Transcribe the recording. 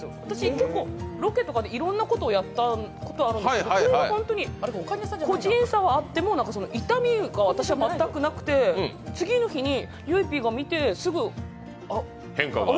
結構ロケでいろんなことをやったことがあるんですけど本当に個人差はあっても、私は痛みが全くなくて、次の日にゆいＰが見てすぐ、あれ？